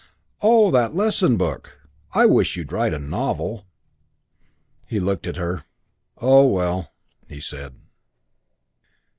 "Oh, that lesson book! I wish you'd write a novel." He looked at her. "Oh, well!" he said.